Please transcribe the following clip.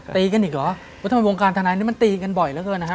ตีกันอีกเหรอว่าทำไมวงการทนายนี่มันตีกันบ่อยเหลือเกินนะฮะ